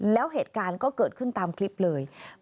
แล้วเหตุการณ์ก็เกิดขึ้นตามคลิปเลย